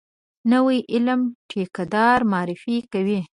نوی علم ټیکه دار معرفي کوي.